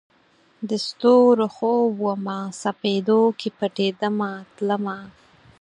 د ستورو خوب ومه، سپیدو کې پټېدمه تلمه